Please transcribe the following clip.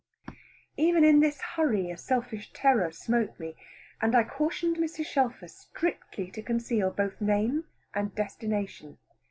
Even in this hurry a selfish terror smote me, and I cautioned Mrs. Shelfer strictly to conceal both name and destination.